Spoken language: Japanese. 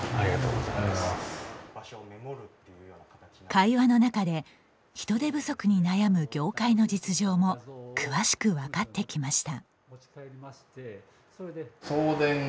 会話の中で人手不足に悩む業界の実情も詳しく分かってきました。